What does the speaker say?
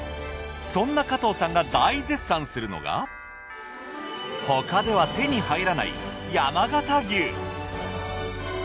そんな加藤さんが大絶賛するのが他では手に入らない山形牛。